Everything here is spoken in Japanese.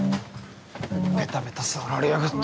ベタベタ触られやがって！